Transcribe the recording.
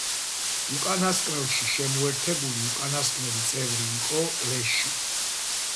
უკანასკნელში შემოერთებული უკანასკნელი წევრი იყო ლეში.